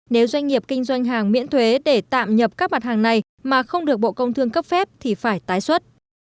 nếu doanh nghiệp kinh doanh hàng miễn thuế để tạm nhập các mặt hàng này mà không được bộ công thương cấp phép thì phải tái xuất